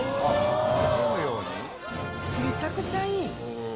めちゃくちゃいい。